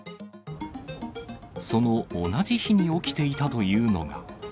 その同じ日に起きていたというのが。